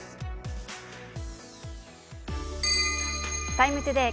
「ＴＩＭＥ，ＴＯＤＡＹ」